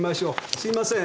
すいません。